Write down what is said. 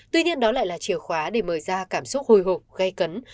tuy nhiên đó lại là chìa khóa để mời ra cảm xúc hồi hộp gây cấn